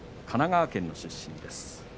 神奈川県の出身です。